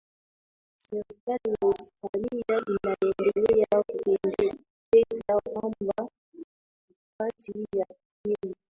Serikali ya Australia inaendelea kupendekeza kwamba mikakati ya kupima